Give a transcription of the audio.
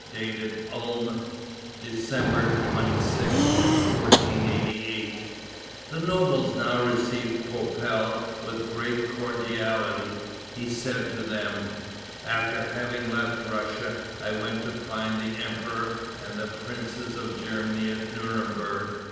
dated Ulm, December 26th, 1488. The nobles now received Poppel with great cordiality. He said to them: "After having left Russia, I went to find the emperor and the princes of Germany at Nuremburg.